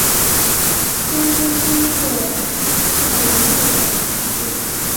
中间经过萨莱诺等城市。